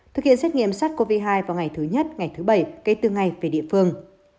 thực hiện xét nghiệm sars cov hai vào ngày thứ nhất ngày thứ bảy kể từ ngày về địa phương